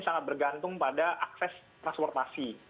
sangat bergantung pada akses transportasi